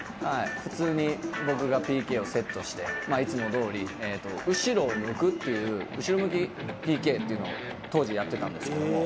「普通に僕がＰＫをセットしていつもどおり後ろを向くっていう後ろ向きＰＫっていうのを当時やってたんですけども」